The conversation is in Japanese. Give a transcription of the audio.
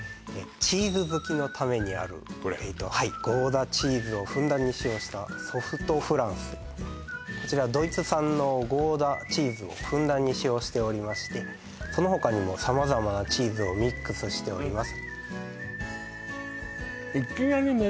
チーズ好きのためにあるゴーダチーズをふんだんに使用したソフトフランスこちらドイツ産のゴーダチーズをふんだんに使用しておりましてその他にも様々なチーズをミックスしております